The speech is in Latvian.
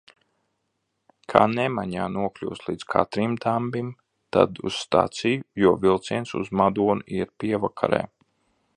Kā nemaņā nokļūst līdz Katrīndambim, tad uz staciju, jo vilciens uz Madonu iet pievakarē.